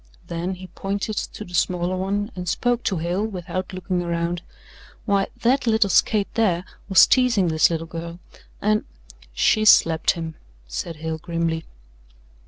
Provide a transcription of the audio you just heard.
Then he pointed to the smaller one and spoke to Hale without looking around. "Why, that little skate there was teasing this little girl and " "She slapped him," said Hale grimly.